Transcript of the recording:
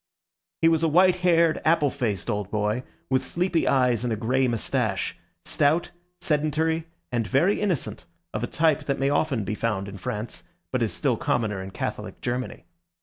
He was a white haired, apple faced old boy, with sleepy eyes and a grey moustache; stout, sedentary, and very innocent, of a type that may often be found in France, but is still commoner in Catholic Germany.